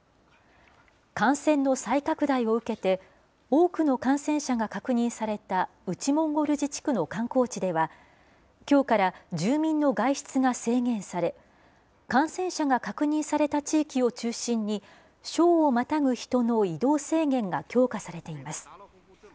感染の再拡大を受けて、多くの感染者が確認された内モンゴル自治区の観光地では、きょうから住民の外出が制限され、感染者が確認された地域を中心に、省をまたぐ人の移動制限が強化されています。